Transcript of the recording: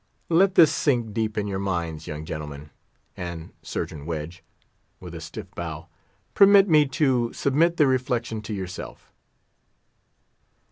Let this sink deep in your minds, young gentlemen; and, Surgeon Wedge "—with a stiff bow—"permit me to submit the reflection to yourself.